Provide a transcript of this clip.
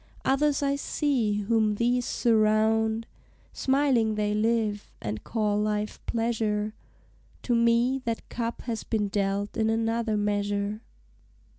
Others I see whom these surround; Smiling they live, and call life pleasure; To me that cup has been dealt in another measure.